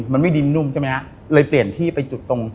มันไม่มีดินนุ่มใช่ไหมนะ